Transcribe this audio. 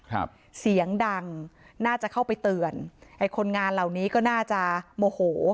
ครับเสียงดังน่าจะเข้าไปเตือนไอ้คนงานเหล่านี้ก็น่าจะโมโห